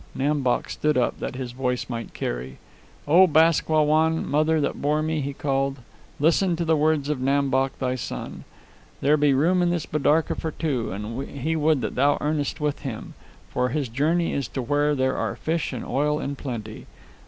Nam Bok stood up that his voice might carry. "O Bask Wah Wan, mother that bore me!" he called. "Listen to the words of Nam Bok, thy son. There be room in his bidarka for two, and he would that thou earnest with him. For his journey is to where there are fish and oil in plenty.